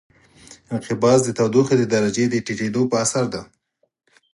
انقباض د تودوخې د درجې د ټیټېدو په اثر دی.